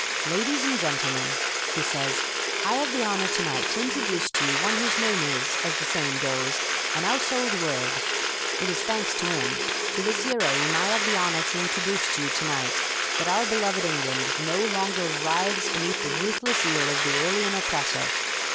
"Ladies and gentlemen," he says, "I 'ave the 'onour to night to introduce to you one whose name is, as the saying goes, a nouse'old word. It is thanks to 'im, to this 'ero whom I 'ave the 'onour to introduce to you to night, that our beloved England no longer writhes beneath the ruthless 'eel of the alien oppressor.